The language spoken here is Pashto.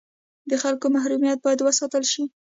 د خلکو محرمیت باید وساتل شي